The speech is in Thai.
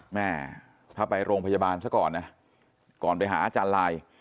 แม่ถ้าไปโรงพยาบาลซะก่อนนะก่อนไปหาอาจารย์ลาย